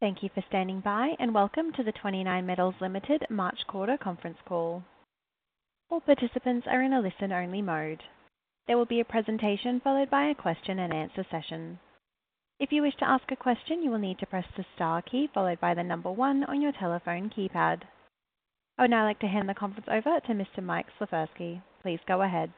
Thank you for standing by and welcome to the 29Metals Ltd March Quarter Conference Call. All participants are in a listen-only mode. There will be a presentation followed by a question-and-answer session. If you wish to ask a question, you will need to press the star key followed by the number 1 on your telephone keypad. I would now like to hand the conference over to Mr. Mike Slifirski. Please go ahead.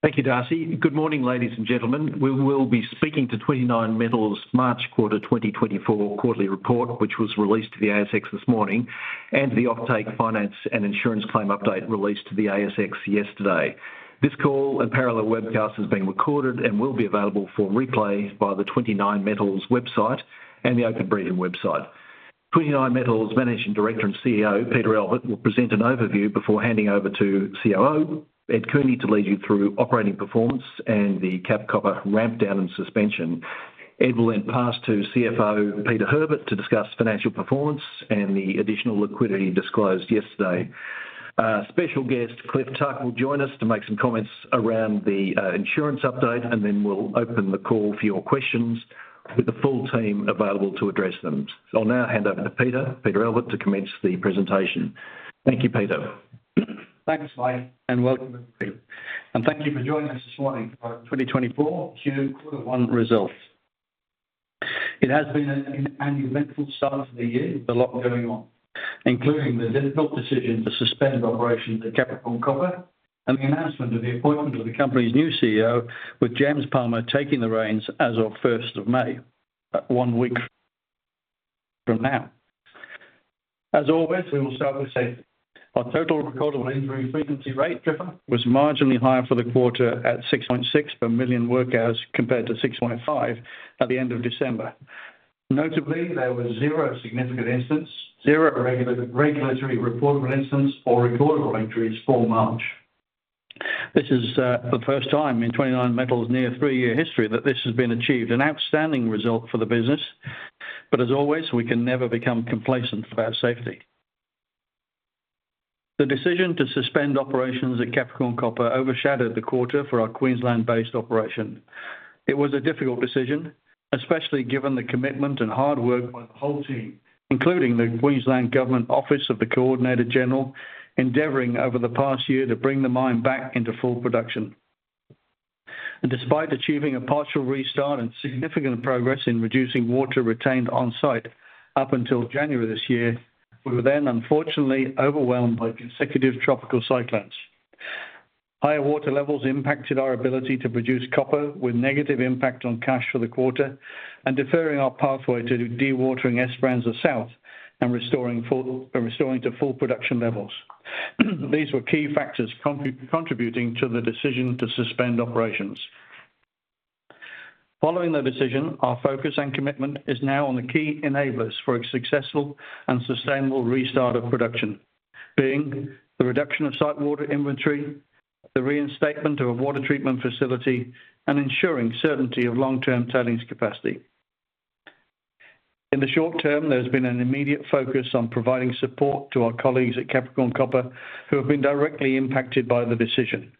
Thank you, Darcy. Good morning, ladies and gentlemen. We will be speaking to 29Metals' March Quarter 2024 quarterly report, which was released to the ASX this morning, and to the offtake finance and insurance claim update released to the ASX yesterday. This call and parallel webcast has been recorded and will be available for replay by the 29Metals website and the Open Briefing website. 29Metals' Managing Director and CEO, Peter Albert, will present an overview before handing over to COO, Ed Cooney, to lead you through operating performance and the Capricorn Copper rampdown and suspension. Ed will then pass to CFO, Peter Herbert, to discuss financial performance and the additional liquidity disclosed yesterday. Special guest, Cliff Tuck, will join us to make some comments around the insurance update, and then we will open the call for your questions with the full team available to address them. I will now hand over to Peter, Peter Albert, to commence the presentation. Thank you, Peter. Thanks, Mike, and welcome, everybody. And thank you for joining us this morning for our 2024 Q1 results. It has been an uneventful start to the year with a lot going on, including the difficult decision to suspend operations at Capricorn Copper and the announcement of the appointment of the company's new CEO, with James Palmer taking the reins as of May 1, one week from now. As always, we will start with safety. Our total recordable injury frequency rate, TRIFR, was marginally higher for the quarter at 6.6 per million work hours compared to 6.5 at the end of December. Notably, there were zero significant incidents, zero regulatory reportable incidents or recordable injuries for March. This is the first time in 29Metals' near three-year history that this has been achieved, an outstanding result for the business. But as always, we can never become complacent about safety. The decision to suspend operations at Capricorn Copper overshadowed the quarter for our Queensland-based operation. It was a difficult decision, especially given the commitment and hard work by the whole team, including the Queensland Government Office of the Coordinator-General, endeavoring over the past year to bring the mine back into full production. Despite achieving a partial restart and significant progress in reducing water retained on-site up until January this year, we were then, unfortunately, overwhelmed by consecutive tropical cyclones. Higher water levels impacted our ability to produce copper, with negative impact on cash for the quarter and deferring our pathway to dewatering Esperanza South and restoring to full production levels. These were key factors contributing to the decision to suspend operations. Following the decision, our focus and commitment is now on the key enablers for a successful and sustainable restart of production, being the reduction of site water inventory, the reinstatement of a water treatment facility, and ensuring certainty of long-term tailings capacity. In the short term, there has been an immediate focus on providing support to our colleagues at Capricorn Copper who have been directly impacted by the decision.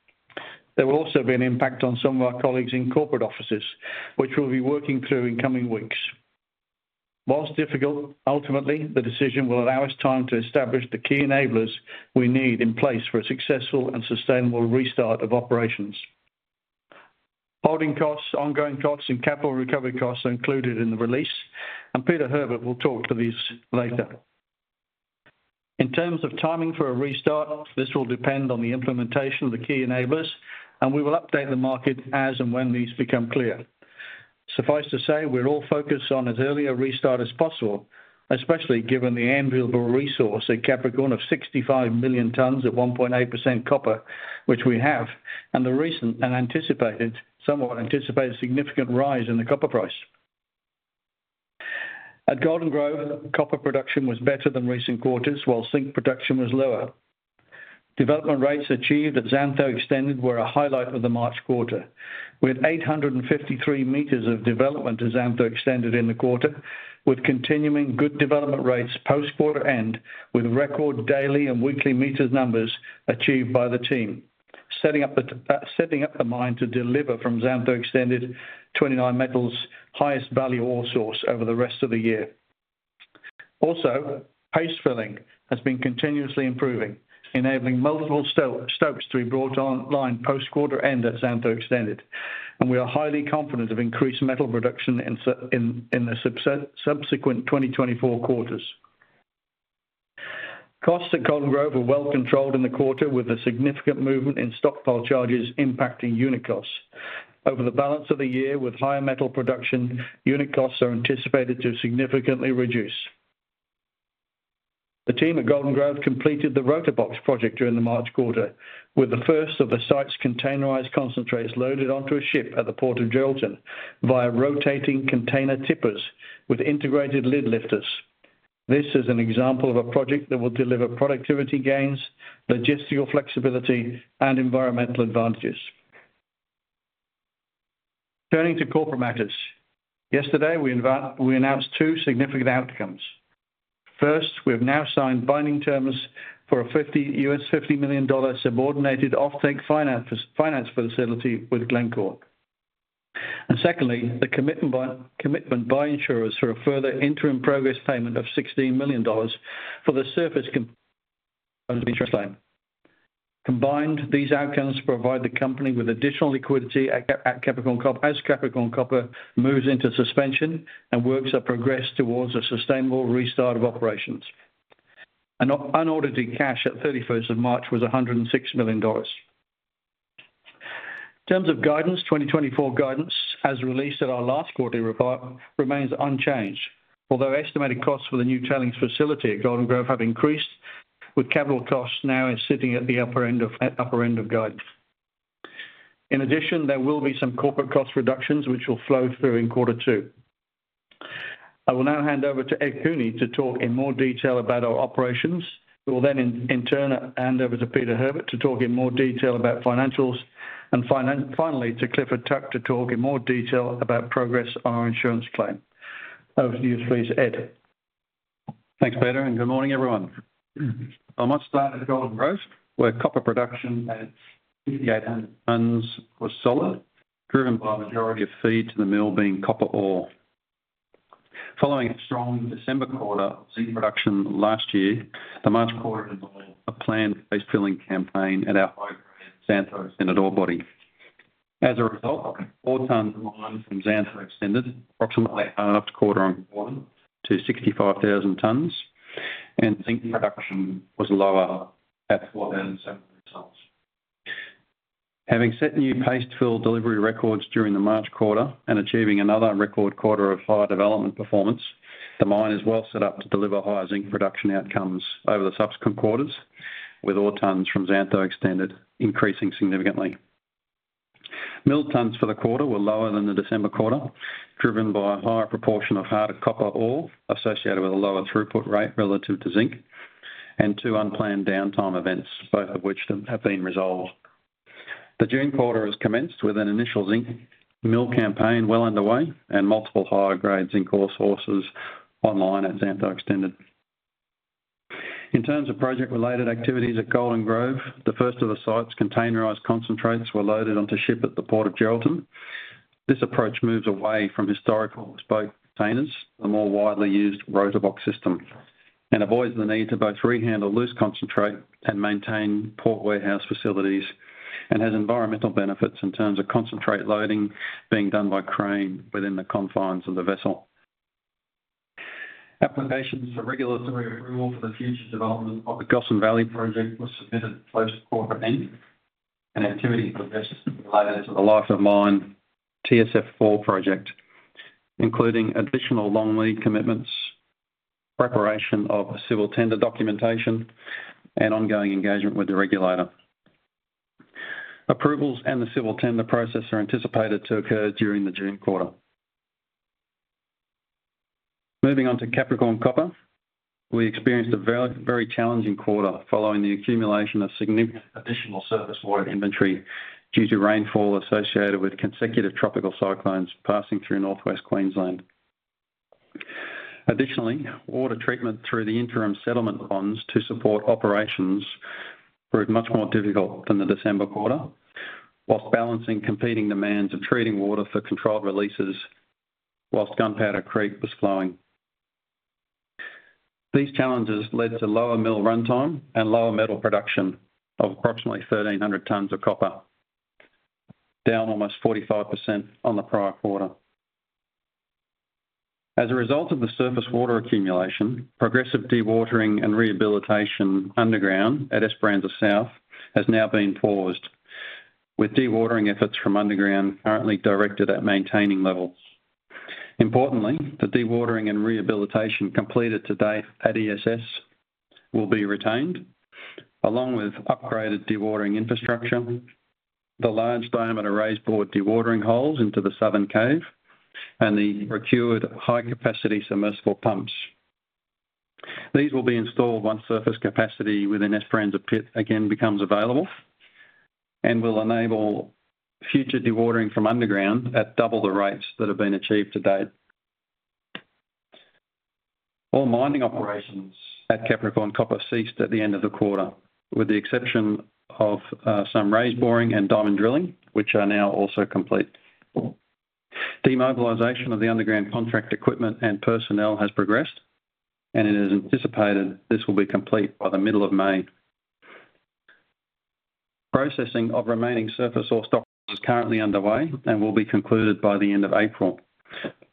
There will also be an impact on some of our colleagues in corporate offices, which we'll be working through in coming weeks. Whilst difficult, ultimately, the decision will allow us time to establish the key enablers we need in place for a successful and sustainable restart of operations. Holding costs, ongoing costs, and capital recovery costs are included in the release, and Peter Herbert will talk to these later. In terms of timing for a restart, this will depend on the implementation of the key enablers, and we will update the market as and when these become clear. Suffice to say, we're all focused on as early a restart as possible, especially given the annual resource at Cap Copper of 65 million tonnes at 1.8% copper, which we have, and the recent and anticipated, somewhat anticipated, significant rise in the copper price. At Golden Grove, copper production was better than recent quarters, while zinc production was lower. Development rates achieved at Xantho Extended were a highlight of the March quarter. We had 853 meters of development at Xantho Extended in the quarter, with continuing good development rates post-quarter end, with record daily and weekly meters numbers achieved by the team, setting up the mine to deliver from Xantho Extended 29Metals' highest value ore source over the rest of the year. Also, paste filling has been continuously improving, enabling multiple stopes to be brought online post-quarter end at Xantho Extended, and we are highly confident of increased metal production in the subsequent 2024 quarters. Costs at Golden Grove were well controlled in the quarter, with a significant movement in stockpile charges impacting unit costs. Over the balance of the year, with higher metal production, unit costs are anticipated to significantly reduce. The team at Golden Grove completed the Rotobox project during the March quarter, with the first of the site's containerized concentrates loaded onto a ship at the port of Geraldton via rotating container tippers with integrated lid lifters. This is an example of a project that will deliver productivity gains, logistical flexibility, and environmental advantages. Turning to corporate matters, yesterday we announced two significant outcomes. First, we have now signed binding terms for a $50 million subordinated offtake finance facility with Glencore. And secondly, the commitment by insurers for a further interim progress payment of 16 million dollars for the surface interest line. Combined, these outcomes provide the company with additional liquidity at Cap Copper as Cap Copper moves into suspension and works are progressed towards a sustainable restart of operations. Unaudited cash at 31st of March was 106 million dollars. In terms of guidance, 2024 guidance, as released at our last quarterly report, remains unchanged, although estimated costs for the new tailings facility at Golden Grove have increased, with capital costs now sitting at the upper end of guidance. In addition, there will be some corporate cost reductions, which will flow through in quarter two. I will now hand over to Ed Cooney to talk in more detail about our operations. We will then, in turn, hand over to Peter Herbert to talk in more detail about financials, and finally, to Clifford Tuck to talk in more detail about progress on our insurance claim. Over to you, please, Ed. Thanks, Peter, and good morning, everyone. I must start at Golden Grove, where copper production at 5,800 tonnes was solid, driven by a majority of feed to the mill being copper ore. Following a strong December quarter of zinc production last year, the March quarter involved a planned paste filling campaign at our high-grade Xantho Extended ore body. As a result, 4,000 tonnes mined from Xantho Extended, approximately half a quarter-over-quarter, to 65,000 tonnes, and zinc production was lower at 4,700 tonnes. Having set new paste fill delivery records during the March quarter and achieving another record quarter of high development performance, the mine is well set up to deliver higher zinc production outcomes over the subsequent quarters, with all tonnes from Xantho Extended increasing significantly. Mill tons for the quarter were lower than the December quarter, driven by a higher proportion of harder copper ore associated with a lower throughput rate relative to zinc, and two unplanned downtime events, both of which have been resolved. The June quarter has commenced with an initial zinc mill campaign well underway and multiple higher-grade zinc ore sources online at Xantho Extended. In terms of project-related activities at Golden Grove, the first of the site's containerized concentrates were loaded onto ship at the port of Geraldton. This approach moves away from historical bulk containers, the more widely used Rotobox system, and avoids the need to both rehandle loose concentrate and maintain port warehouse facilities, and has environmental benefits in terms of concentrate loading being done by crane within the confines of the vessel. Applications for regulatory approval for the future development of the Gossan Valley project were submitted post-quarter end, and activity progressed related to the Life of Mine TSF4 project, including additional long lead commitments, preparation of civil tender documentation, and ongoing engagement with the regulator. Approvals and the civil tender process are anticipated to occur during the June quarter. Moving on to Capricorn Copper, we experienced a very challenging quarter following the accumulation of significant additional surface water inventory due to rainfall associated with consecutive tropical cyclones passing through northwest Queensland. Additionally, water treatment through the interim settlement ponds to support operations proved much more difficult than the December quarter, while balancing competing demands of treating water for controlled releases while Gunpowder Creek was flowing. These challenges led to lower mill runtime and lower metal production of approximately 1,300 tonnes of copper, down almost 45% on the prior quarter. As a result of the surface water accumulation, progressive dewatering and rehabilitation underground at Esperanza South has now been paused, with dewatering efforts from underground currently directed at maintaining levels. Importantly, the dewatering and rehabilitation completed to date at ESS will be retained, along with upgraded dewatering infrastructure, the large-diameter raise bored dewatering holes into the southern cave, and the procured high-capacity submersible pumps. These will be installed once surface capacity within Esperanza Pit again becomes available and will enable future dewatering from underground at double the rates that have been achieved to date. All mining operations at Capricorn Copper ceased at the end of the quarter, with the exception of some raise boring and diamond drilling, which are now also complete. Demobilization of the underground contract equipment and personnel has progressed, and it is anticipated this will be complete by the middle of May. Processing of remaining surface ore stockpiles is currently underway and will be concluded by the end of April,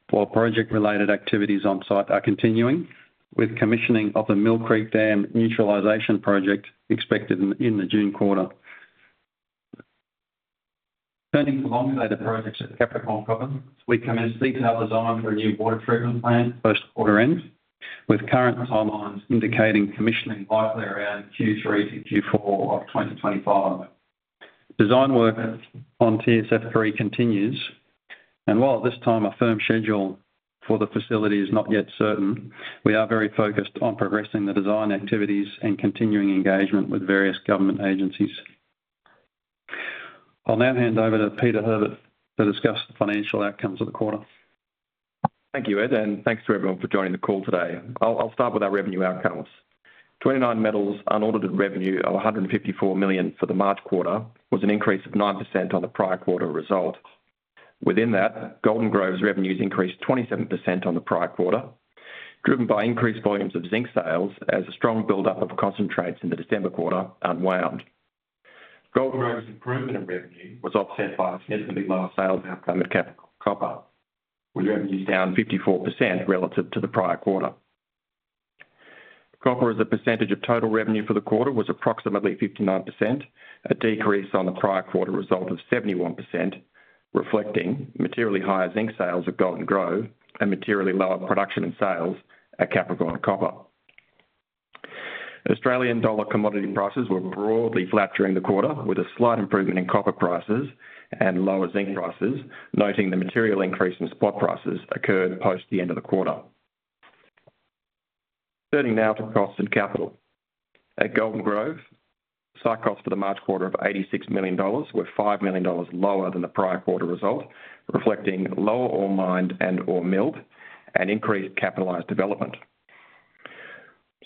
while project-related activities on-site are continuing, with commissioning of the Mill Creek Dam neutralisation project expected in the June quarter. Turning to long-dated projects at Capricorn Copper, we commence detailed design for a new water treatment plant post-quarter end, with current timelines indicating commissioning likely around Q3-Q4 of 2025. Design work on TSF3 continues, and while at this time a firm schedule for the facility is not yet certain, we are very focused on progressing the design activities and continuing engagement with various government agencies. I will now hand over to Peter Herbert to discuss the financial outcomes of the quarter. Thank you, Ed, and thanks to everyone for joining the call today. I will start with our revenue outcomes. 29Metals' unaudited revenue of 154 million for the March quarter was an increase of 9% on the prior quarter result. Within that, Golden Grove's revenues increased 27% on the prior quarter, driven by increased volumes of zinc sales as a strong buildup of concentrates in the December quarter unwound. Golden Grove's improvement in revenue was offset by a significantly lower sales outcome at Capricorn Copper, with revenues down 54% relative to the prior quarter. Copper as a percentage of total revenue for the quarter was approximately 59%, a decrease on the prior quarter result of 71%, reflecting materially higher zinc sales at Golden Grove and materially lower production and sales at Capricorn Copper. Australian dollar commodity prices were broadly flat during the quarter, with a slight improvement in copper prices and lower zinc prices, noting the material increase in spot prices occurred post the end of the quarter. Turning now to costs and capital. At Golden Grove, site costs for the March quarter of 86 million dollars were 5 million dollars lower than the prior quarter result, reflecting lower ore mined and/or milled and increased capitalized development.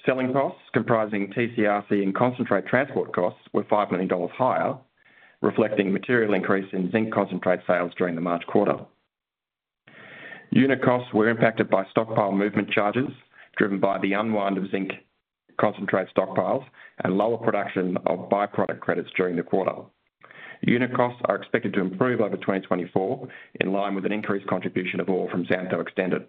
Selling costs comprising TCRC and concentrate transport costs were 5 million dollars higher, reflecting material increase in zinc concentrate sales during the March quarter. Unit costs were impacted by stockpile movement charges driven by the unwinding of zinc concentrate stockpiles and lower production of byproduct credits during the quarter. Unit costs are expected to improve over 2024 in line with an increased contribution of ore from Xantho Extended.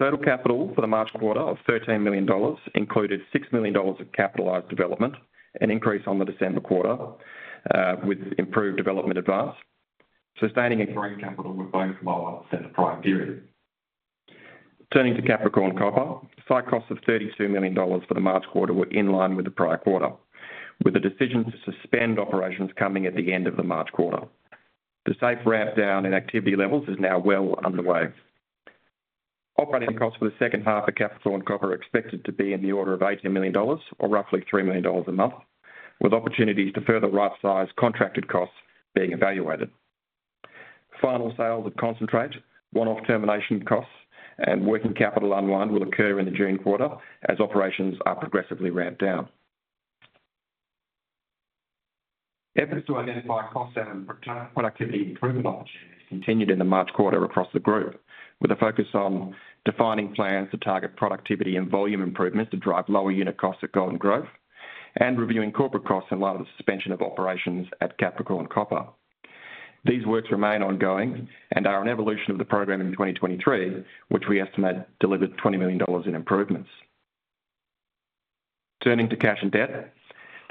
Total capital for the March quarter of 13 million dollars included 6 million dollars of capitalized development, an increase on the December quarter, with improved development advance, sustaining accruing capital with both lower than the prior period. Turning to Capricorn Copper, site costs of 32 million dollars for the March quarter were in line with the prior quarter, with a decision to suspend operations coming at the end of the March quarter. The safe wind-down in activity levels is now well underway. Operating costs for the second half of Capricorn Copper are expected to be in the order of 18 million dollars or roughly 3 million dollars a month, with opportunities to further right-size contracted costs being evaluated. Final sales of concentrate, one-off termination costs, and working capital unwound will occur in the June quarter as operations are progressively wound down. Efforts to identify costs and productivity improvement opportunities continued in the March quarter across the group, with a focus on defining plans to target productivity and volume improvements to drive lower unit costs at Golden Grove and reviewing corporate costs in light of the suspension of operations at Cap Copper. These works remain ongoing and are an evolution of the program in 2023, which we estimate delivered 20 million dollars in improvements. Turning to cash and debt,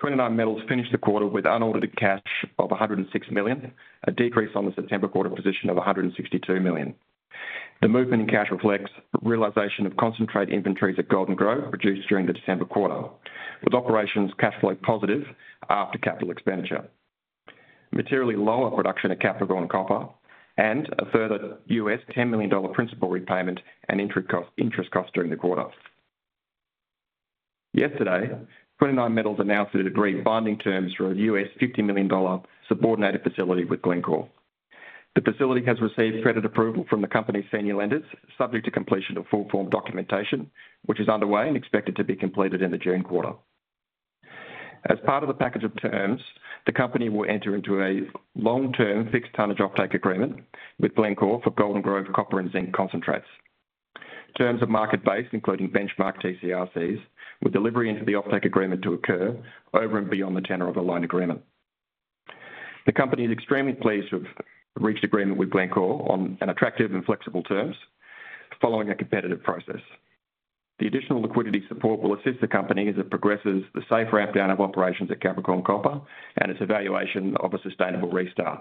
29Metals finished the quarter with unaudited cash of 106 million, a decrease on the September quarter position of 162 million. The movement in cash reflects realization of concentrate inventories at Golden Grove produced during the December quarter, with operations cash flow positive after capital expenditure, materially lower production at Cap Copper, and a further $10 million principal repayment and interest costs during the quarter. Yesterday, 29Metals announced it had agreed binding terms for a $50 million subordinated facility with Glencore. The facility has received credit approval from the company's senior lenders, subject to completion of full-form documentation, which is underway and expected to be completed in the June quarter. As part of the package of terms, the company will enter into a long-term fixed tonnage offtake agreement with Glencore for Golden Grove copper and zinc concentrates. Terms are market-based, including benchmark TCRCs, with delivery into the offtake agreement to occur over and beyond the tenor of a line agreement. The company is extremely pleased to have reached agreement with Glencore on attractive and flexible terms following a competitive process. The additional liquidity support will assist the company as it progresses the safe wrap-down of operations at Cap Copper and its evaluation of a sustainable restart.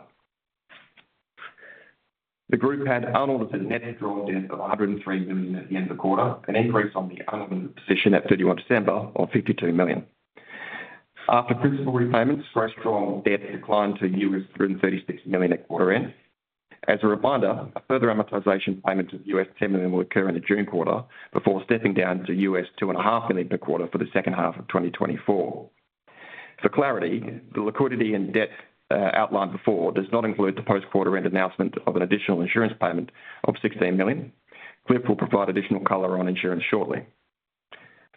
The group had unaudited net gross debt of 103 million at the end of the quarter, an increase on the unaudited position at 31st December of 52 million. After principal repayments, gross debt declined to $336 million at quarter end. As a reminder, a further amortization payment of $10 million will occur in the June quarter before stepping down to $2.5 million per quarter for the second half of 2024. For clarity, the liquidity and debt outlined before does not include the post-quarter end announcement of an additional insurance payment of 16 million. Clifford will provide additional color on insurance shortly.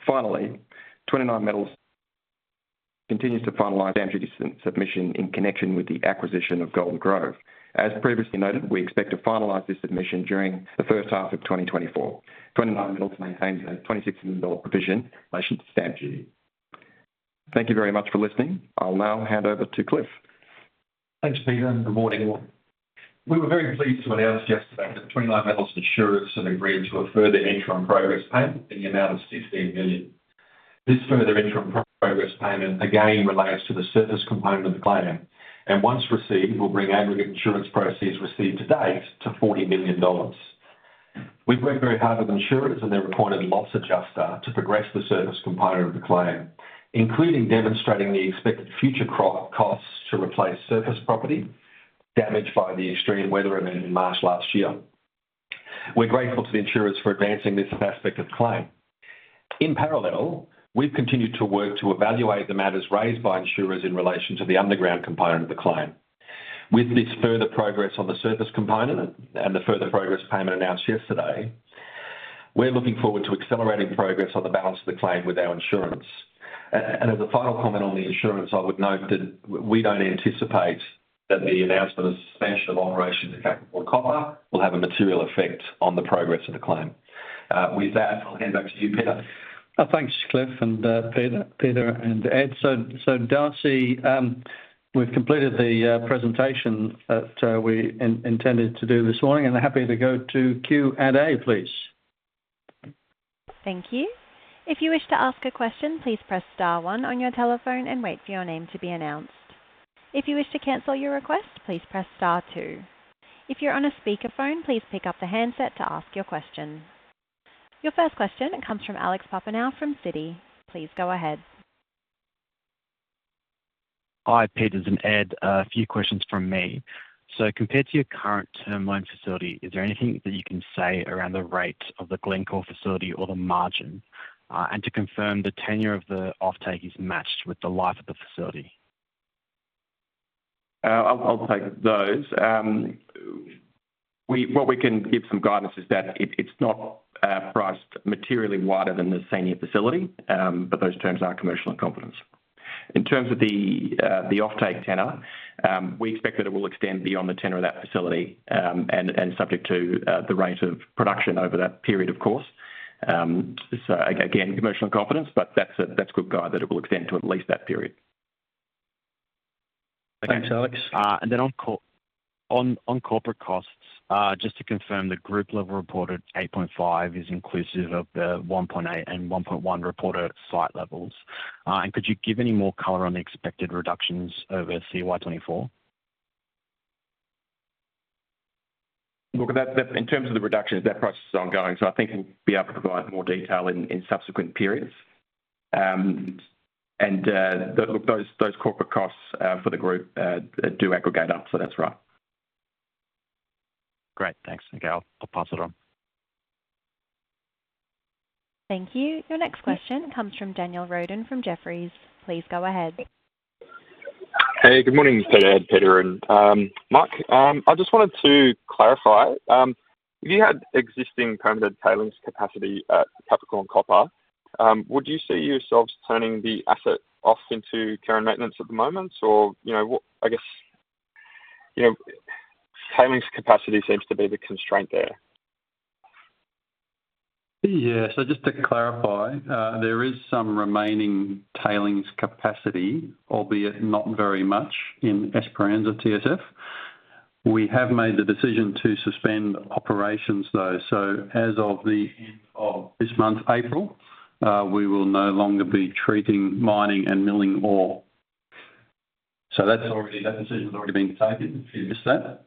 Finally, 29Metals continues to finalize stamp duty submission in connection with the acquisition of Golden Grove. As previously noted, we expect to finalize this submission during the first half of 2024. 29Metals maintains a 26 million provision in relation to stamp duty. Thank you very much for listening. I will now hand over to Cliff. Thanks, Peter. Good morning, everyone. We were very pleased to announce yesterday that 29Metals' insurers had agreed to a further interim progress payment in the amount of 16 million. This further interim progress payment again relates to the surface component of the claim, and once received, will bring aggregate insurance proceeds received to date to 40 million dollars. We have worked very hard with insurers and their appointed loss adjuster to progress the surface component of the claim, including demonstrating the expected future costs to replace surface property damaged by the extreme weather event in March last year. We are grateful to the insurers for advancing this aspect of the claim. In parallel, we have continued to work to evaluate the matters raised by insurers in relation to the underground component of the claim. With this further progress on the surface component and the further progress payment announced yesterday, we are looking forward to accelerating progress on the balance of the claim with our insurers. As a final comment on the insurance, I would note that we do not anticipate that the announcement of suspension of operations at Capricorn Copper will have a material effect on the progress of the claim. With that, I will hand back to you, Peter. Thanks, Cliff and Peter and Ed. So Darcy, we have completed the presentation that we intended to do this morning, and I am happy to go to Q&A, please. Thank you. If you wish to ask a question, please press star one on your telephone and wait for your name to be announced. If you wish to cancel your request, please press star two. If you are on a speakerphone, please pick up the handset to ask your question. Your first question comes from Alex Papaioanou from Citi. Please go ahead. Hi, Peter, and Ed, a few questions from me. So compared to your current term-loan facility, is there anything that you can say around the rate of the Glencore facility or the margin, and to confirm the tenure of the offtake is matched with the life of the facility? I will take those. What we can give some guidance is that it is not priced materially wider than the senior facility, but those terms are commercial in confidence. In terms of the offtake tenor, we expect that it will extend beyond the tenor of that facility and subject to the rate of production over that period, of course. So again, commercial in confidence, but that is a good guide that it will extend to at least that period. Thanks, Alex. And then on corporate costs, just to confirm, the group level reported 8.5 is inclusive of the 1.8 and 1.1 reported site levels. And could you give any more color on the expected reductions over CY2024? Look, in terms of the reductions, that process is ongoing, so I think we will be able to provide more detail in subsequent periods. And look, those corporate costs for the group do aggregate up, so that is right. Great. Thanks. Okay, I will pass it on. Thank you. Your next question comes from Daniel Roden from Jefferies. Please go ahead. Hey, good morning, Ed, Peter, and Mark. I just wanted to clarify. If you had existing permitted tailings capacity at Capricorn Copper, would you see yourselves turning the asset off into care and maintenance at the moment? Or I guess tailings capacity seems to be the constraint there. Yes, so just to clarify, there is some remaining tailings capacity, albeit not very much, in Esperanza TSF. We have made the decision to suspend operations, though. So as of the end of this month, April, we will no longer be treating mining and milling ore. So that decision has already been taken. If you missed that.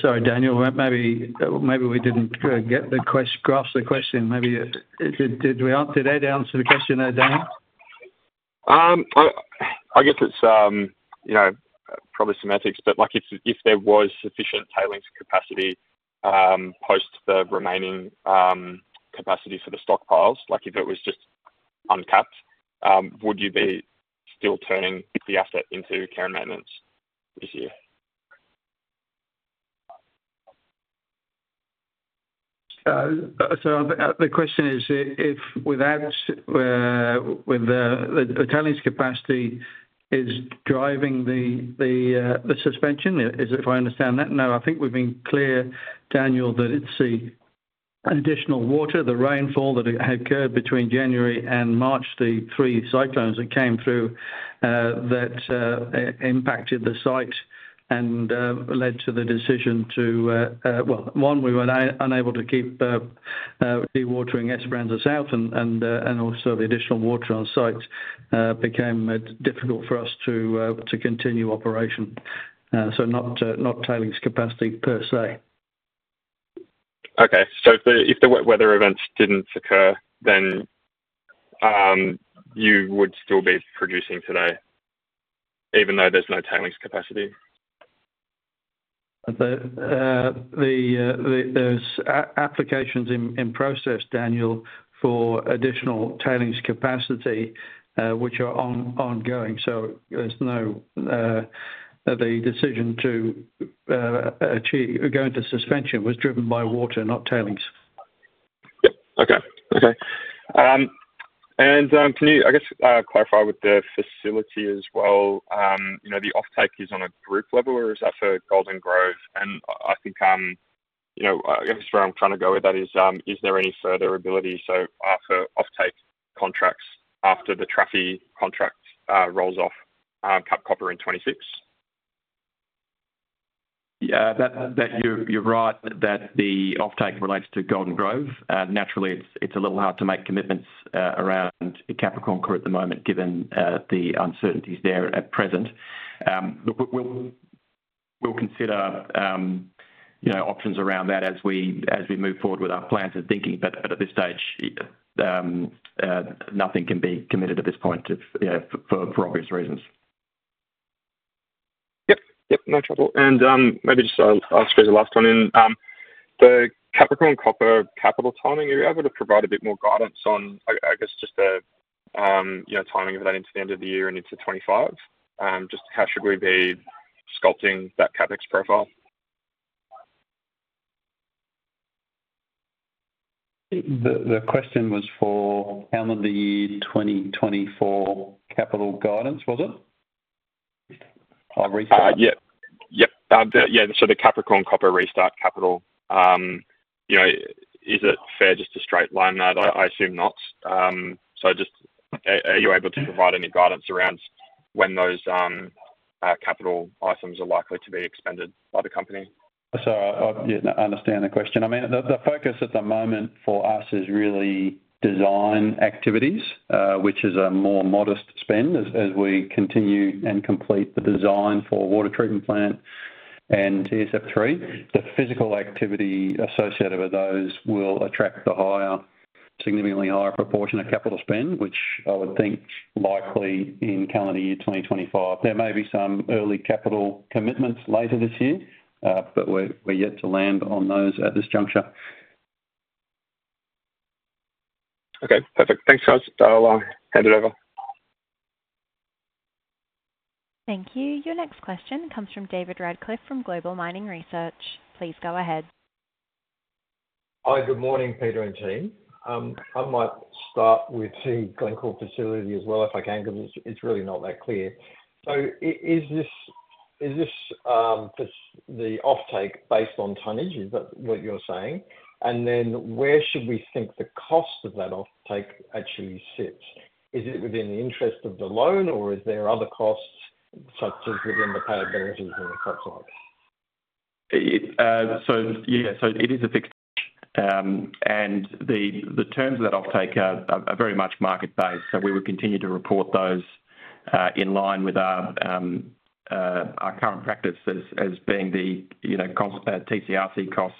Sorry, Daniel, maybe we did not get the question, grasp the question. Did Ed answer the question there, Daniel? I guess it is probably semantics, but if there was sufficient tailings capacity post the remaining capacity for the stockpiles, if it was just uncapped, would you be still turning the asset into care and maintenance this year? So the question is, with the tailings capacity, is driving the suspension? Is it, if I understand that? No, I think we have been clear, Daniel, that it is the additional water, the rainfall that occurred between January and March, the three cyclones that came through that impacted the site and led to the decision to, well, one, we were unable to keep dewatering Esperanza South, and also the additional water on site became difficult for us to continue operation. So not tailings capacity per se. Okay. So if the wet weather events did not occur, then you would still be producing today even though there is no tailings capacity? There are applications in process, Daniel, for additional tailings capacity, which are ongoing. So the decision to go into suspension was driven by water, not tailings. Okay. Okay. And can you, I guess, clarify with the facility as well? The offtake is on a group level, or is that for Golden Grove? And I think I guess where I am trying to go with that is, is there any further ability for offtake contracts after the Trafigura contract rolls off Capricorn Copper in 2026? Yes, you are right that the offtake relates to Golden Grove. Naturally, it is a little hard to make commitments around Cap Copper at the moment given the uncertainties there at present. Look, we will consider options around that as we move forward with our plans and thinking, but at this stage, nothing can be committed at this point for obvious reasons. Yep. Yep, no trouble. Maybe just I will ask as a last one. In the Capricorn Copper capital timing, are you able to provide a bit more guidance on, I guess, just the timing of that into the end of the year and into 2025? Just how should we be sculpting that CapEx profile? The question was for calendar year 2024 capital guidance, was it? Yep. Yep. Yes, so the Capricorn Copper restart capital, is it fair just to straight-line that? I assume not. So just are you able to provide any guidance around when those capital items are likely to be expended by the company? Sorry, I understand the question. I mean, the focus at the moment for us is really design activities, which is a more modest spend as we continue and complete the design for water treatment plant and TSF3. The physical activity associated with those will attract a significantly higher proportion of capital spend, which I would think likely in calendar year 2025. There may be some early capital commitments later this year, but we are yet to land on those at this juncture. Okay. Perfect. Thanks, Ed. I will hand it over. Thank you. Your next question comes from David Radclyffe from Global Mining Research. Please go ahead. Hi, good morning, Peter and team. I might start with the Glencore facility as well if I can because it is really not that clear. So is this the offtake based on tonnage, is that what you are saying? And then where should we think the cost of that offtake actually sits? Is it within the interest of the loan, or is there other costs such as within the payables and the such like? So yes, so it is a fixed and the terms of that offtake are very much market-based, so we will continue to report those in line with our current practice as being the TCRC costs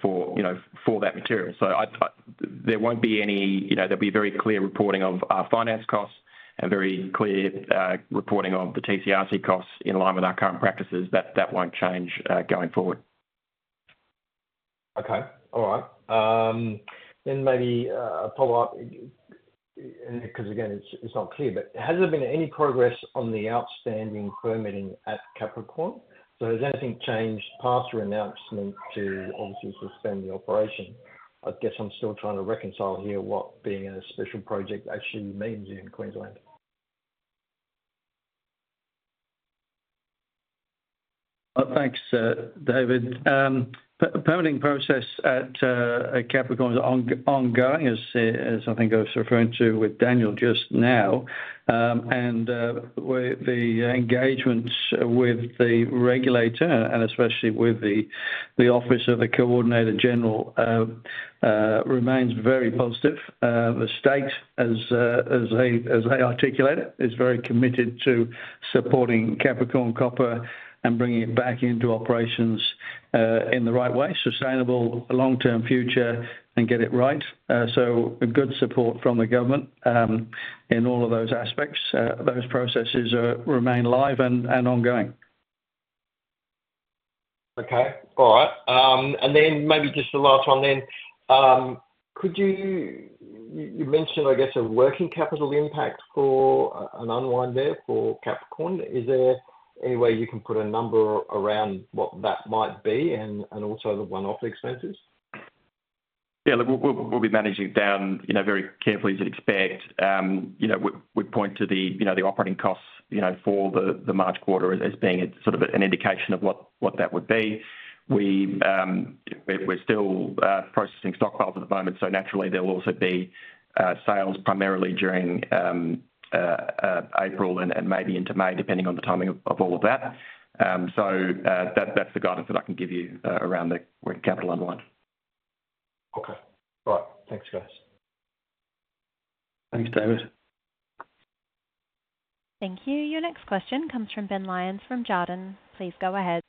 for that material. So there won't be any there will be very clear reporting of our finance costs and very clear reporting of the TCRC costs in line with our current practices. That won't change going forward. Okay. All right. Then maybe a follow-up because again, it is not clear. But has there been any progress on the outstanding permitting at Capricorn Copper? So has anything changed past your announcement to obviously suspend the operation? I guess I am still trying to reconcile here what being a special project actually means here in Queensland. Thanks, David. Permitting process at Capricorn Copper is ongoing, as I think I was referring to with Daniel just now. The engagement with the regulator and especially with the Office of the Coordinator-General remains very positive. The state, as they articulate it, is very committed to supporting Capricorn Copper and bringing it back into operations in the right way, sustainable, long-term future, and get it right. Good support from the government in all of those aspects. Those processes remain live and ongoing. Okay. All right. And then maybe just the last one then. You mentioned, I guess, a working capital impact for an unwind there for Capricorn Copper. Is there any way you can put a number around what that might be and also the one-off expenses? Yes, look, we will be managing it down very carefully as you would expect. We point to the operating costs for the March quarter as being sort of an indication of what that would be. We are still processing stockpiles at the moment, so naturally, there will also be sales primarily during April and maybe into May depending on the timing of all of that. So that is the guidance that I can give you around the working capital unwind. Okay. All right. Thanks, guys. Thanks, David. Thank you. Your next question comes from Ben Lyons from Jarden. Please go ahead.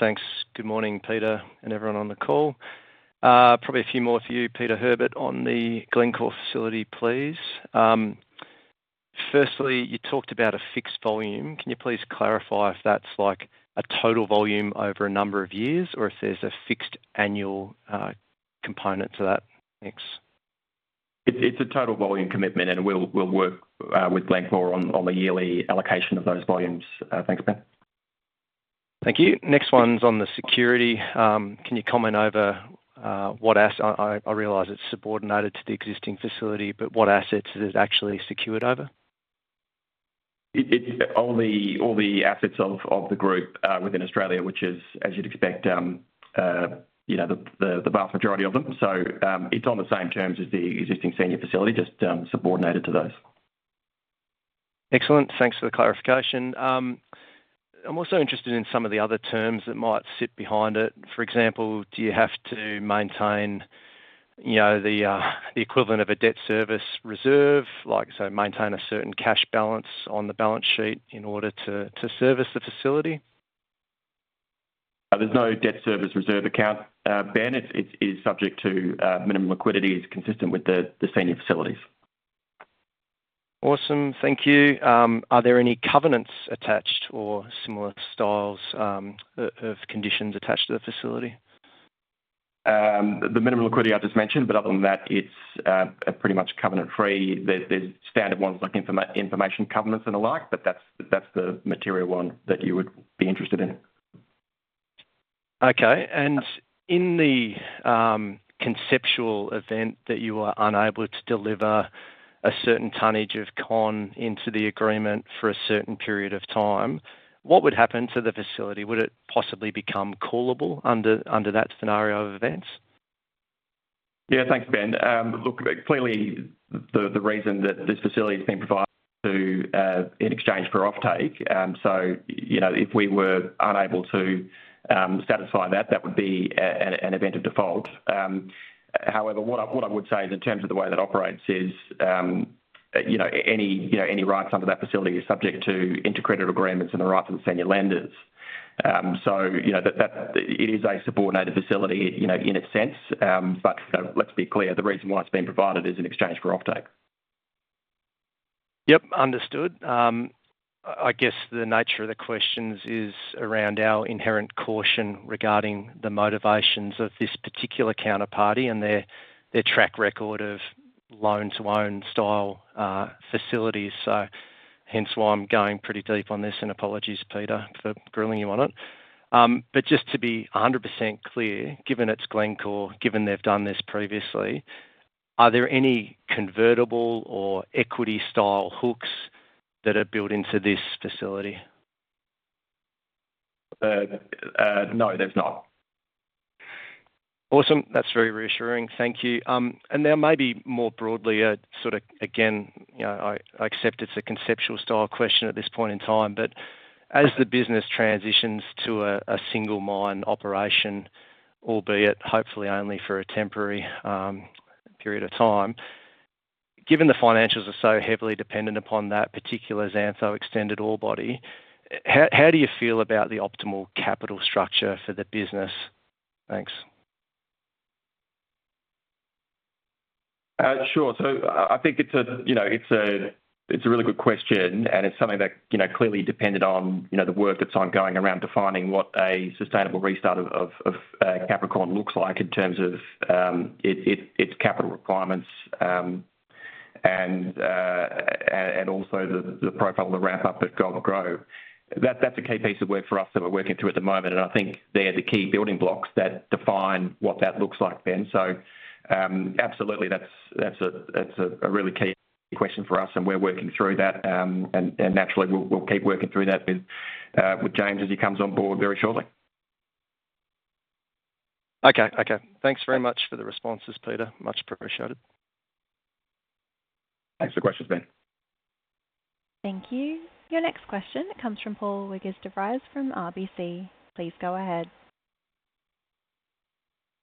Thanks. Good morning, Peter and everyone on the call. Probably a few more for you, Peter Herbert, on the Glencore facility, please. Firstly, you talked about a fixed volume. Can you please clarify if that is like a total volume over a number of years or if there is a fixed annual component to that? Thanks. It is a total volume commitment, and we will work with Glencore on the yearly allocation of those volumes. Thanks, Ben. Thank you. Next one is on the security. Can you comment over what asset I realize it is subordinated to the existing facility, but what assets is it actually secured over? All the assets of the group within Australia, which is, as you would expect, the vast majority of them. It is on the same terms as the existing senior facility, just subordinated to those. Excellent. Thanks for the clarification. I am also interested in some of the other terms that might sit behind it. For example, do you have to maintain the equivalent of a debt service reserve, so maintain a certain cash balance on the balance sheet in order to service the facility? There is no debt service reserve account. Ben, it is subject to minimum liquidity, is consistent with the senior facilities. Awesome. Thank you. Are there any covenants attached or similar styles of conditions attached to the facility? The minimum liquidity I just mentioned, but other than that, it is pretty much covenant-free. There are standard ones like information covenants and the like, but that is the material one that you would be interested in. Okay. And in the conceptual event that you are unable to deliver a certain tonnage of CON into the agreement for a certain period of time, what would happen to the facility? Would it possibly become callable under that scenario of events? Yes, thanks, Ben. Look, clearly, the reason that this facility is being provided to in exchange for offtake, so if we were unable to satisfy that, that would be an event of default. However, what I would say is in terms of the way that operates is any rights under that facility are subject to intercreditor agreements and the rights of the senior lenders. So it is a subordinated facility in its sense, but let's be clear, the reason why it is being provided is in exchange for offtake. Yep, understood. I guess the nature of the questions is around our inherent caution regarding the motivations of this particular counterparty and their track record of loan-to-own style facilities. So hence why I am going pretty deep on this, and apologies, Peter, for grilling you on it. But just to be 100% clear, given it is Glencore, given they have done this previously, are there any convertible or equity-style hooks that are built into this facility? No, there is not. Awesome. That is very reassuring. Thank you. And now maybe more broadly, sort of again, I accept it is a conceptual-style question at this point in time, but as the business transitions to a single mine operation, albeit hopefully only for a temporary period of time, given the financials are so heavily dependent upon that particular Xantho Extended ore body, how do you feel about the optimal capital structure for the business? Thanks. Sure. So I think it is a really good question, and it is something that clearly depended on the work that is ongoing around defining what a sustainable restart of Capricorn Copper looks like in terms of its capital requirements and also the profile, the ramp-up at Golden Grove. That is a key piece of work for us that we are working through at the moment, and I think they are the key building blocks that define what that looks like, Ben. So absolutely, that is a really key question for us, and we are working through that. And naturally, we will keep working through that with James as he comes on board very shortly. Okay. Okay. Thanks very much for the responses, Peter. Much appreciated. Thanks for the questions, Ben. Thank you. Your next question comes from Paul Wiggers de Vries from RBC. Please go ahead.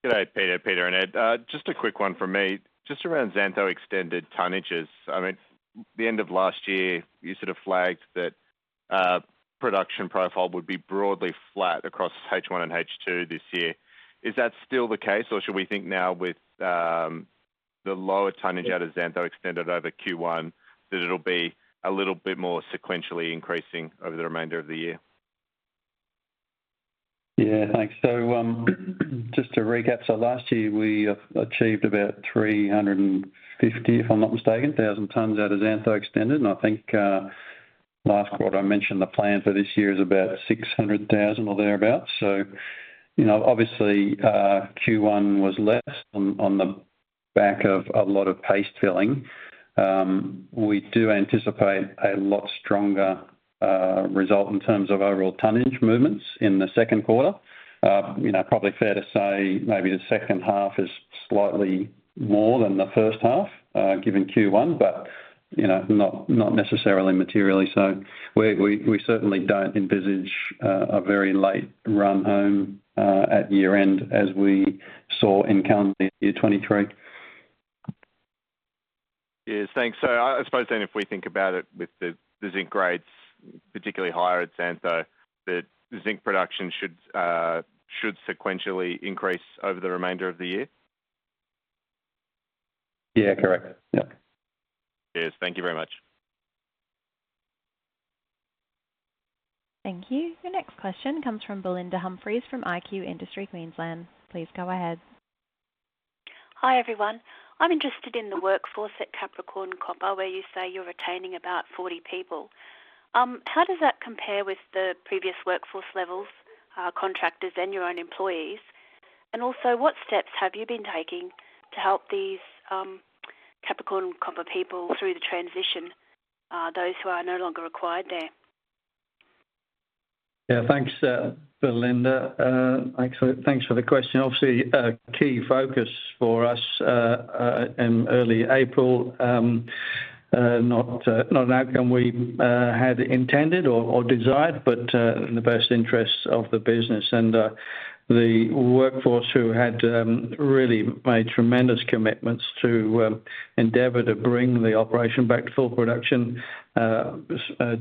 Good day, Peter, Peter and Ed. Just a quick one from me. Just around Xantho Extended tonnages, I mean, the end of last year, you sort of flagged that production profile would be broadly flat across H1 and H2 this year. Is that still the case, or should we think now with the lower tonnage out of Xantho Extended over Q1 that it will be a little bit more sequentially increasing over the remainder of the year? Yes, thanks. So just to recap, so last year, we achieved about 350, if I am not mistaken, 1,000 tons out of Xantho Extended, and I think last quarter I mentioned the plan for this year is about 600,000 or thereabouts. So obviously, Q1 was less on the back of a lot of paste filling. We do anticipate a lot stronger result in terms of overall tonnage movements in the second quarter. Probably fair to say maybe the second half is slightly more than the first half given Q1, but not necessarily materially. So we certainly don't envisage a very late run home at year-end as we saw in calendar year 2023. Yes, thanks. So I suppose, then, if we think about it with the zinc grades particularly higher at Xantho, that zinc production should sequentially increase over the remainder of the year? Yes, correct. Yep. Yes. Thank you very much. Thank you. Your next question comes from Belinda Humphries from iQ Industry Queensland. Please go ahead. Hi, everyone. I am interested in the workforce at Capricorn Copper where you say you are retaining about 40 people. How does that compare with the previous workforce levels, contractors, and your own employees? And also, what steps have you been taking to help these Capricorn Copper people through the transition, those who are no longer required there? Yes, thanks, Belinda. Thanks for the question. Obviously, a key focus for us in early April, not an outcome we had intended or desired, but in the best interests of the business. The workforce who had really made tremendous commitments to endeavor to bring the operation back to full production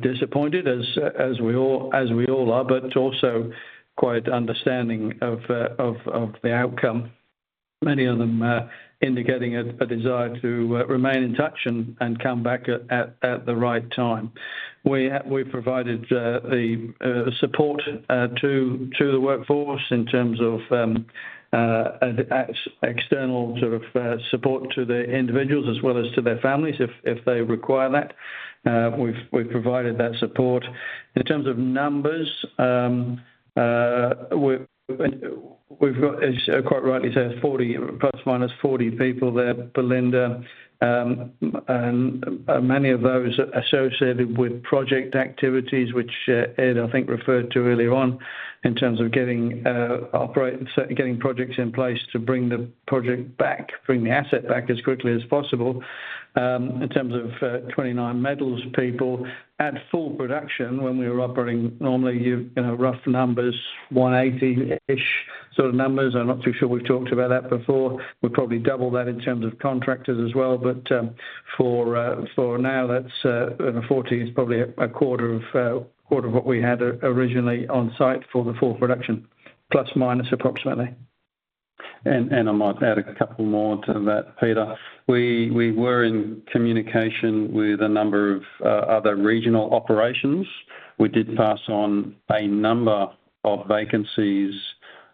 disappointed as we all are, but also quite understanding of the outcome, many of them indicating a desire to remain in touch and come back at the right time. We have provided the support to the workforce in terms of external sort of support to the individuals as well as to their families if they require that. We have provided that support. In terms of numbers, we have got, as you quite rightly say, ±40 people there, Belinda, and many of those associated with project activities, which Ed, I think, referred to earlier on in terms of getting projects in place to bring the project back, bring the asset back as quickly as possible. In terms of 29Metals people, at full production, when we were operating normally, rough numbers, 180-ish sort of numbers. I am not too sure we have talked about that before. We probably doubled that in terms of contractors as well, but for now, that is 40 is probably a quarter of what we had originally on site for the full production, ± approximately. And I might add a couple more to that, Peter. We were in communication with a number of other regional operations. We did pass on a number of vacancies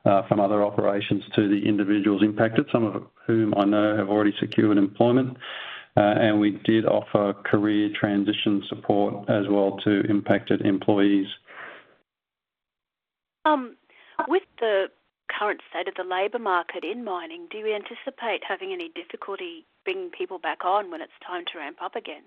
from other operations to the individuals impacted, some of whom I know have already secured employment, and we did offer career transition support as well to impacted employees. With the current state of the labor market in mining, do you anticipate having any difficulty bringing people back on when it is time to ramp up again?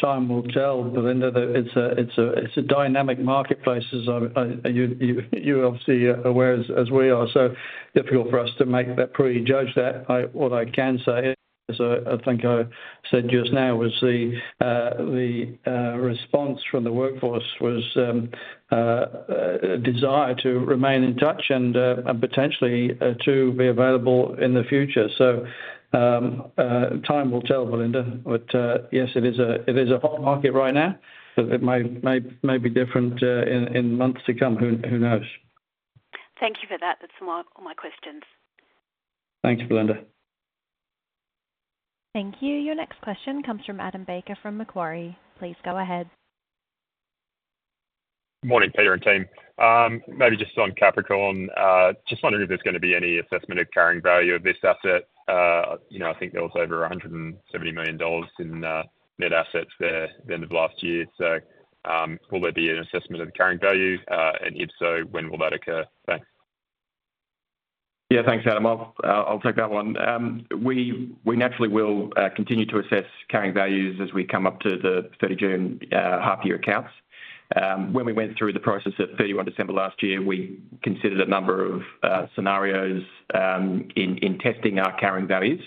Time will tell, Belinda. It is a dynamic marketplace, as you are obviously aware as we are, so difficult for us to make that prejudge. What I can say is, as I think I said just now, was the response from the workforce was a desire to remain in touch and potentially to be available in the future. So time will tell, Belinda. But yes, it is a hot market right now. It may be different in months to come. Who knows? Thank you for that. That is all my questions. Thanks, Belinda. Thank you. Your next question comes from Adam Baker from Macquarie. Please go ahead. Good morning, Peter and team. Maybe just on Capricorn Copper, just wondering if there is going to be any assessment of carrying value of this asset. I think there was over 170 million dollars in net assets there at the end of last year. So will there be an assessment of the carrying value? And if so, when will that occur? Thanks. Yes, thanks, Adam. I will take that one. We naturally will continue to assess carrying values as we come up to the June 30 half-year accounts. When we went through the process at 31 December last year, we considered a number of scenarios in testing our carrying values,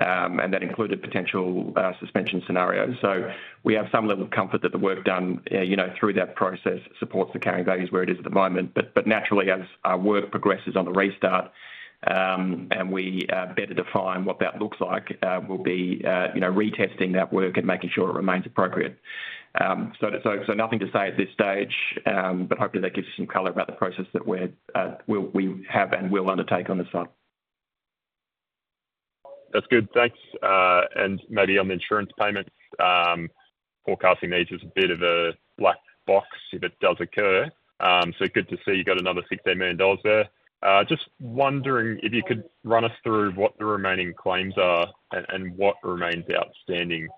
and that included potential suspension scenarios. So we have some level of comfort that the work done through that process supports the carrying values where it is at the moment. But naturally, as our work progresses on the restart and we better define what that looks like, we will be retesting that work and making sure it remains appropriate. So nothing to say at this stage, but hopefully, that gives you some color about the process that we have and will undertake on this side. That is good. Thanks. Maybe on the insurance payments, forecasting these is a bit of a black box if it does occur. So good to see you got another 16 million dollars there. Just wondering if you could run us through what the remaining claims are and what remains outstanding.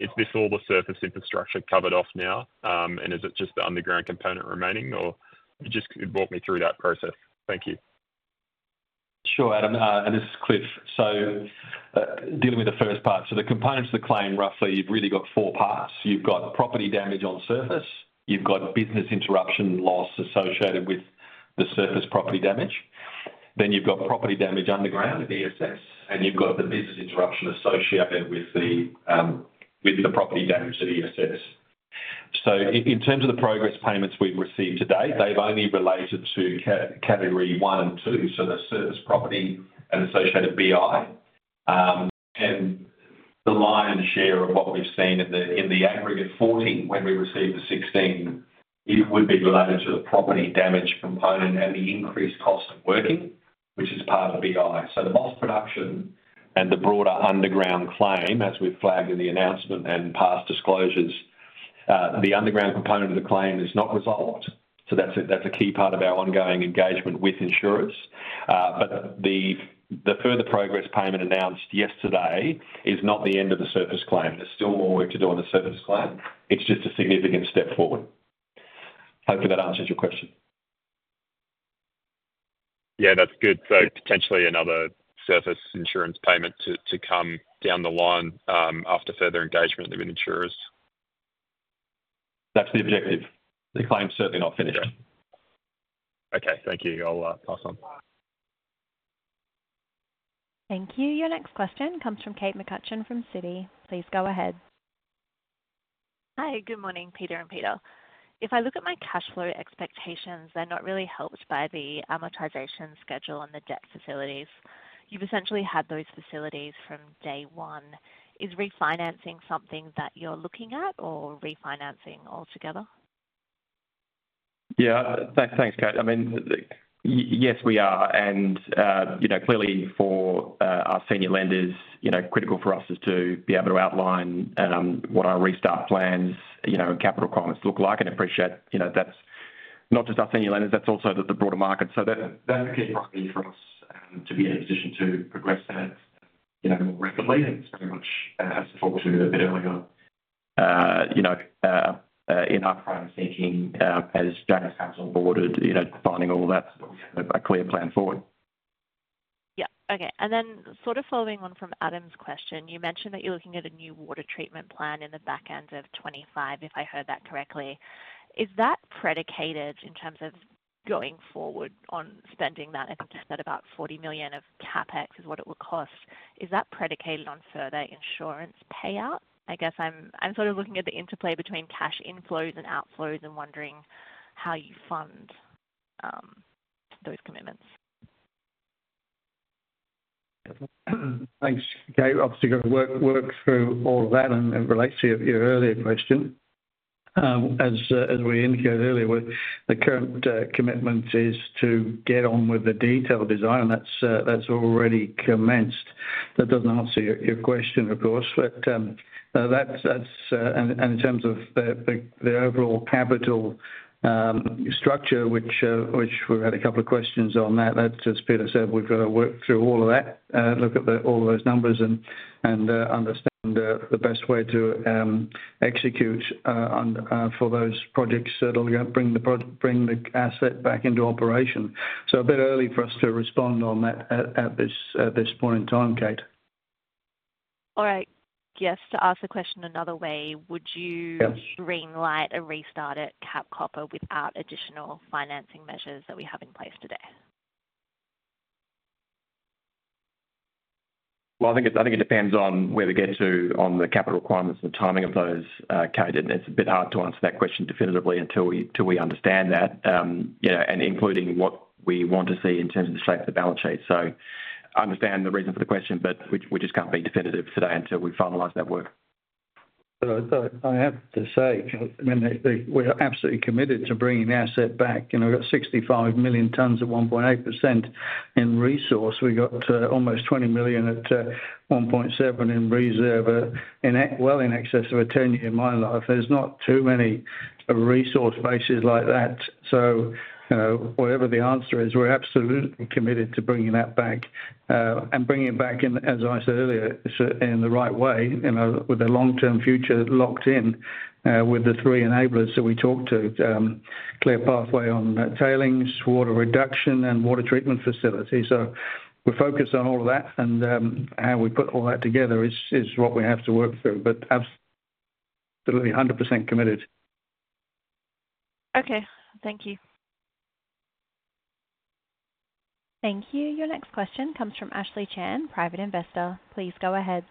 Is this all the surface infrastructure covered off now, and is it just the underground component remaining, or just walk me through that process? Thank you. Sure, Adam. This is Cliff. Dealing with the first part, the components of the claim, roughly, you have really got four parts. You have got property damage on surface. You have got business interruption loss associated with the surface property damage. Then you have got property damage underground at ESS, and you have got the business interruption associated with the property damage at ESS. So in terms of the progress payments we have received to date, they have only related to category one and two, so the surface property and associated BI. And the lion's share of what we have seen in the aggregate 40 when we received the 16, it would be related to the property damage component and the increased cost of working, which is part of BI. So the loss production and the broader underground claim, as we flagged in the announcement and past disclosures, the underground component of the claim is not resolved. So that is a key part of our ongoing engagement with insurers. But the further progress payment announced yesterday is not the end of the surface claim. There is still more work to do on the surface claim. It is just a significant step forward. Hopefully, that answers your question. Yes, that is good. Potentially another surface insurance payment to come down the line after further engagement with insurers. That is the objective. The claim is certainly not finished. Okay. Thank you. I will pass on. Thank you. Your next question comes from Kate McCutcheon from Citi. Please go ahead. Hi. Good morning, Peter and Peter. If I look at my cash flow expectations, they are not really helped by the amortization schedule and the debt facilities. You have essentially had those facilities from day one. Is refinancing something that you are looking at or refinancing altogether? Yes. Thanks, Kate. I mean, yes, we are. And clearly, for our senior lenders, critical for us is to be able to outline what our restart plans and capital requirements look like and appreciate that is not just our senior lenders, that is also the broader market. So that is the key priority for us to be in a position to progress that more rapidly. And it is very much as I talked to a bit earlier, in upfront thinking as James comes on board and defining all of that, so that we have a clear plan forward. Yep. Okay. And then sort of following on from Adam's question, you mentioned that you are looking at a new water treatment plan in the back end of 2025, if I heard that correctly. Is that predicated in terms of going forward on spending that? I think you said about 40 million of CapEx is what it will cost. Is that predicated on further insurance payout? I guess I am sort of looking at the interplay between cash inflows and outflows and wondering how you fund those commitments. Thanks, Kate. Obviously, going to work through all of that in relation to your earlier question. As we indicated earlier, the current commitment is to get on with the detailed design, and that is already commenced. That does not answer your question, of course. But that is, and in terms of the overall capital structure, which we have had a couple of questions on that, as Peter said, we have got to work through all of that, look at all of those numbers, and understand the best way to execute for those projects that will bring the asset back into operation. So a bit early for us to respond on that at this point in time, Kate. All right. Yes. To ask the question another way, would you greenlight a restart at Capricorn Copper without additional financing measures that we have in place today? Well, I think it depends on where we get to on the capital requirements and the timing of those, Kate. And it is a bit hard to answer that question definitively until we understand that, and including what we want to see in terms of the shape of the balance sheet. So I understand the reason for the question, but we just can't be definitive today until we finalize that work. So I have to say, I mean, we are absolutely committed to bringing the asset back. We got 65 million tonnes at 1.8% in resource. We got almost 20 million at 1.7% in reserve. Well, in excess of a 10-year mine life. There is not too many resource bases like that. So whatever the answer is, we are absolutely committed to bringing that back and bringing it back, as I said earlier, in the right way with the long-term future locked in with the three enablers that we talked to: clear pathway on tailings, water reduction, and water treatment facility. So we are focused on all of that, and how we put all that together is what we have to work through. But absolutely 100% committed. Okay. Thank you. Thank you. Your next question comes from Ashley Chan, Private Investor. Please go ahead.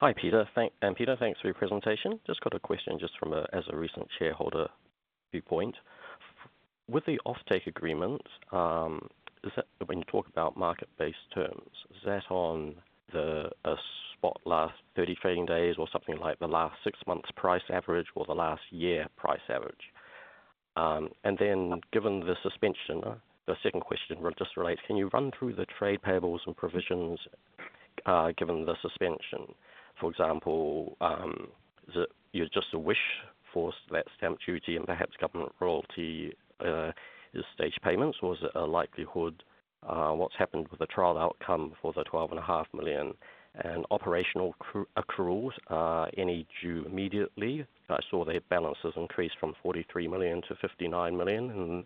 Hi, Peter. Peter, thanks for your presentation. I just got a question just from, as a recent shareholder viewpoint. With the offtake agreement, when you talk about market-based terms, is that on a spot last 30 trading days or something like the last six months' price average or the last year price average? Given the suspension, the second question just relates, can you run through the trade payables and provisions given the suspension? For example, is it jus`t a wish for that stamp duty and perhaps government royalty is staged payments, or is it a likelihood? What has happened with the trial outcome for the 12.5 million? And operational accruals, any due immediately? I saw their balances increase from 43 million-59 million in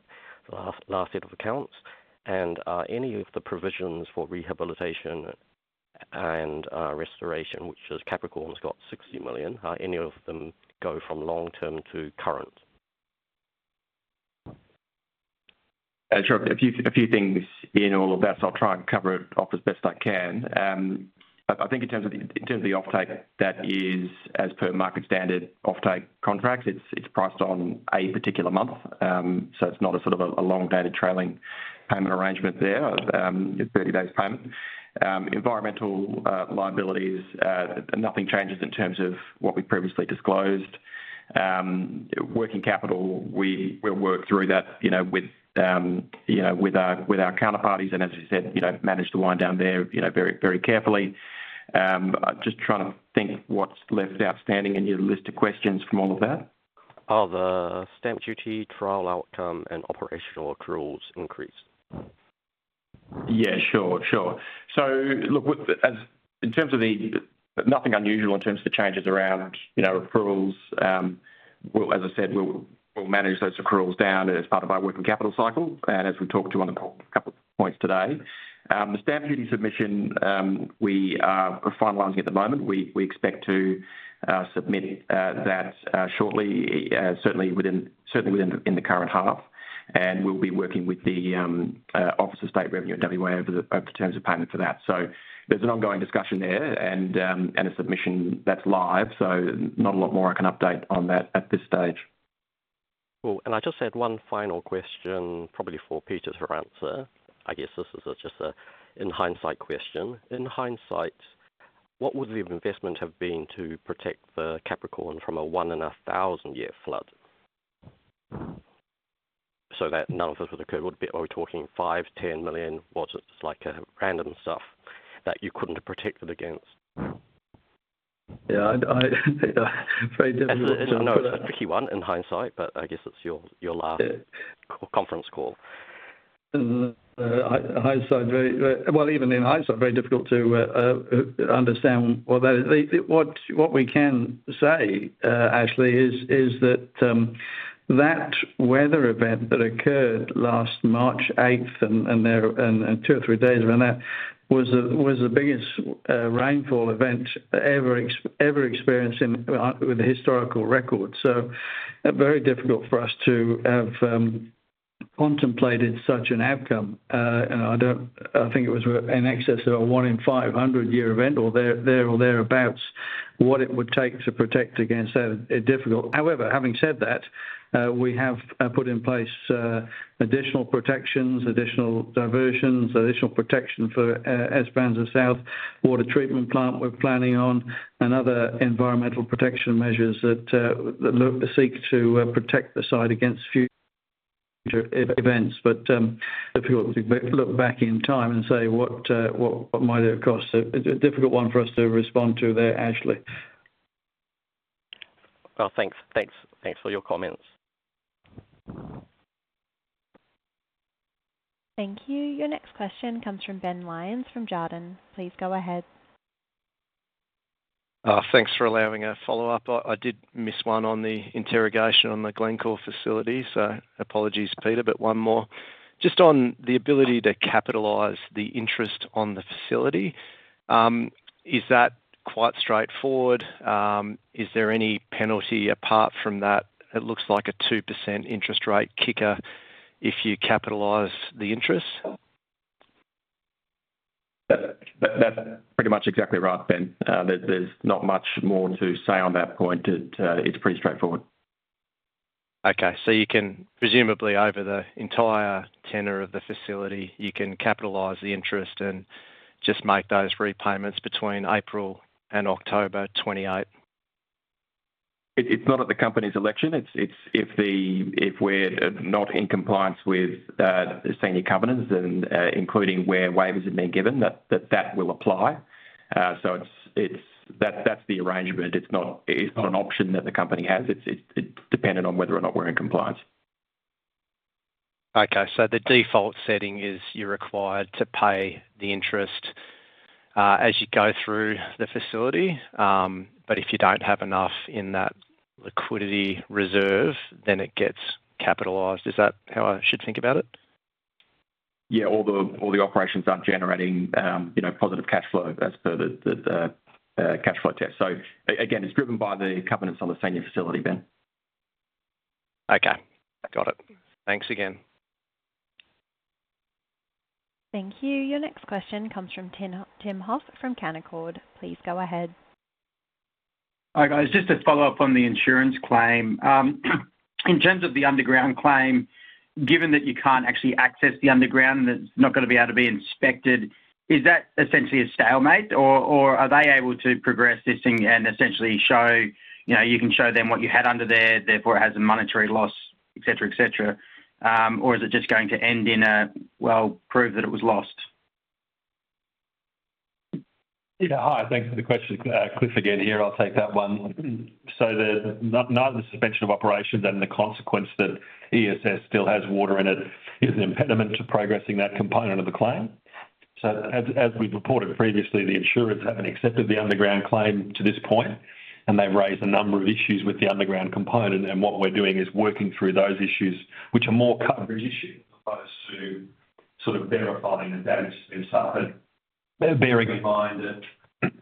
the last set of accounts. And any of the provisions for rehabilitation and restoration, which is Capricorn Copper has got 60 million, any of them go from long-term to current? Sure. A few things in all of this. I will try and cover it off as best I can. I think in terms of the offtake, that is, as per market standard offtake contracts, it is priced on a particular month. So it is not a sort of a long-dated trailing payment arrangement there, a 30-day payment. Environmental liabilities, nothing changes in terms of what we have previously disclosed. Working capital, we will work through that with our counterparties and, as you said, manage the wind down there very carefully. Just trying to think what is left outstanding in your list of questions from all of that. Are the stamp duty, trial outcome, and operational accruals increased? Yes. Sure. Sure. So look, in terms of, there's nothing unusual in terms of the changes around accruals. As I said, we will manage those accruals down as part of our working capital cycle and as we have talked to on a couple of points today. The stamp duty submission, we are finalizing at the moment. We expect to submit that shortly, certainly within the current half. We will be working with the Office of State Revenue at WA over the terms of payment for that. So there is an ongoing discussion there and a submission that is live. So not a lot more I can update on that at this stage. Cool. I just had one final question, probably for Peter to answer. I guess this is just an in-hindsight question. In hindsight, what would the investment have been to protect the Capricorn Copper from a one-and-a-thousand-year flood? So that none of this would occur. Are we talking 5 million-10 million? It is like random stuff that you could not have protected against. Yes. I am afraid [inaudible] will talk to you. I know it is a tricky one in hindsight, but I guess it is your last conference call. hindsight, very well, even in hindsight, very difficult to understand what that is. What we can say, Ashley, is that that weather event that occurred last March 8th and two or three days around that was the biggest rainfall event ever experienced with a historical record. So very difficult for us to have contemplated such an outcome. And I think it was in excess of a one-in-500-year event or thereabouts. What it would take to protect against that, difficult. However, having said that, we have put in place additional protections, additional diversions, additional protection for Esperanza South, water treatment plant we are planning on, and other environmental protection measures that seek to protect the site against future events. But difficult to look back in time and say what might it have cost. Difficult one for us to respond to there, Ashley. Well, thanks. Thanks for your comments. Thank you. Your next question comes from Ben Lyons from Jarden. Please go ahead. Thanks for allowing a follow-up. I did miss one on the interest on the Glencore facility. Apologies, Peter, but one more. Just on the ability to capitalize the interest on the facility, is that quite straightforward? Is there any penalty apart from that? It looks like a 2% interest rate kicker if you capitalize the interest. That is pretty much exactly right, Ben. There is not much more to say on that point. It is pretty straightforward. Okay. So you can presumably, over the entire tenure of the facility, you can capitalize the interest and just make those repayments between April and October 2028? It is not at the company's election. It is if we are not in compliance with senior covenants, including where waivers have been given, that that will apply. That is the arrangement. It is not an option that the company has. It is dependent on whether or not we are in compliance. Okay. So the default setting is you are required to pay the interest as you go through the facility. But if you don't have enough in that liquidity reserve, then it gets capitalized. Is that how I should think about it? Yes. All the operations are generating positive cash flow as per the cash flow test. So again, it is driven by the covenants on the senior facility, Ben. Okay. Got it. Thanks again. Thank you. Your next question comes from Tim Hoff from Canaccord. Please go ahead. Hi, guys. Just a follow-up on the insurance claim. In terms of the underground claim, given that you can't actually access the underground and it is not going to be able to be inspected, is that essentially a stalemate? Or are they able to progress this and essentially show you can show them what you had under there, therefore it has a monetary loss, etc., etc.? Or is it just going to end in a, "Well, prove that it was lost"? Yes. Hi. Thanks for the question. Cliff again here. I will take that one. So neither the suspension of operations and the consequence that ESS still has water in it is an impediment to progressing that component of the claim. So as we have reported previously, the insurers haven't accepted the underground claim to this point, and they have raised a number of issues with the underground component. And what we are doing is working through those issues, which are more coverage issues as opposed to sort of verifying the damage that has been suffered, bearing in mind that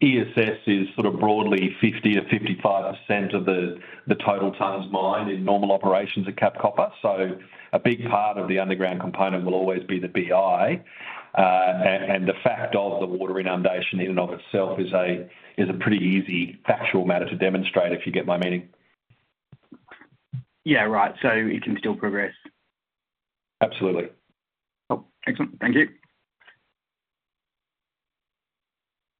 ESS is sort of broadly 50%-55% of the total tons mined in normal operations at Cap Copper. So a big part of the underground component will always be the BI. The fact of the water inundation in and of itself is a pretty easy factual matter to demonstrate, if you get my meaning. Yes. Right. So it can still progress. Absolutely. Excellent. Thank you.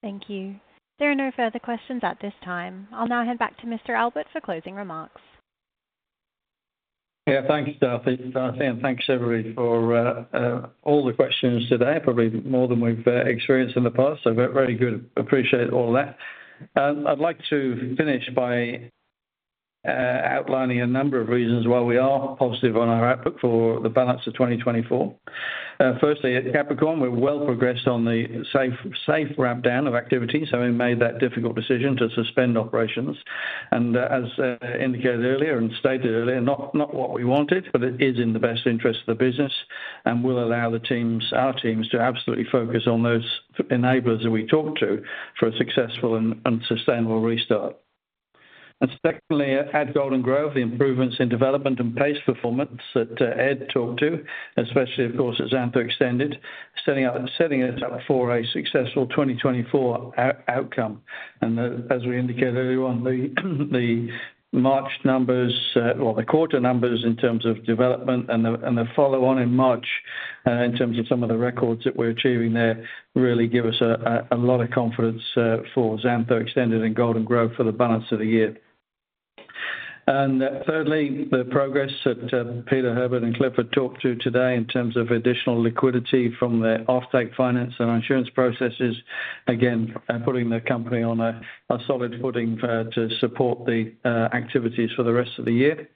Thank you. There are no further questions at this time. I will now head back to Mr. Albert for closing remarks. Yes. Thanks, Tim. Thanks, everybody, for all the questions today, probably more than we have experienced in the past. Very good. Appreciate all of that. I would like to finish by outlining a number of reasons why we are positive on our outlook for the balance of 2024. Firstly, at Cap Copper, we have well progressed on the safe wind-down of activities. We made that difficult decision to suspend operations. As indicated earlier and stated earlier, not what we wanted, but it is in the best interest of the business and will allow our teams to absolutely focus on those enablers that we talked to for a successful and sustainable restart. Secondly, at Golden Grove, the improvements in development and pace performance that Ed talked to, especially, of course, at Xantho Extended, setting it up for a successful 2024 outcome. And as we indicated earlier on, the March numbers, well, the quarter numbers in terms of development and the follow-on in March in terms of some of the records that we are achieving there really give us a lot of confidence for Xantho Extended and Golden Grove for the balance of the year. And thirdly, the progress that Peter Herbert and Clifford talked to today in terms of additional liquidity from their offtake finance and insurance processes, again, putting the company on a solid footing to support the activities for the rest of the year.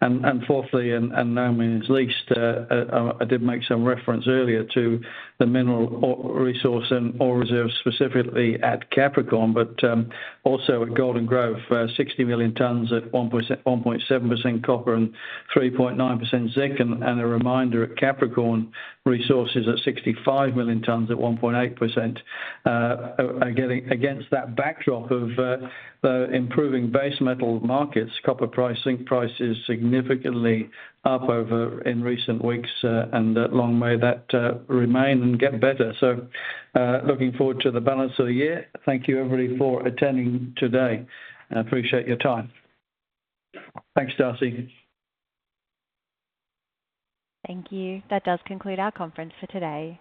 And fourthly, and no man is least, I did make some reference earlier to the mineral resource and ore reserves specifically at Cap Copper, but also at Golden Grove, 60 million tonnes at 1.7% copper and 3.9% zinc. And a reminder at Cap Copper, resources at 65 million tonnes at 1.8%. Against that backdrop of the improving base metal markets, copper price, zinc price is significantly up over in recent weeks. Long may that remain and get better. Looking forward to the balance of the year. Thank you, everybody, for attending today. Appreciate your time. Thanks, Darcy. Thank you. That does conclude our conference for today.